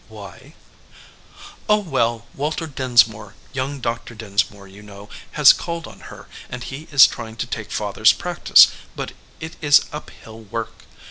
"Why?" "Oh, well, Walter Dinsmore, young Doctor Dinsmore, you know, has called on her, and he is trying to take Father s practice, but it is up hill work.